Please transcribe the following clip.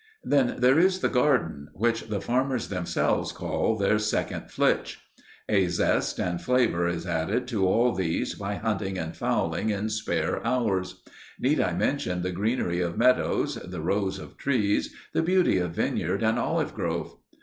Then there is the garden, which the farmers themselves call their "second flitch." A zest and flavour is added to all these by hunting and fowling in spare hours. Need I mention the greenery of meadows, the rows of trees, the beauty of vineyard and olive grove?